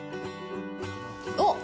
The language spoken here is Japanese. おっ！